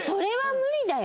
無理だよ。